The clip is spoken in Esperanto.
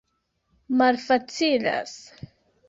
malfacilas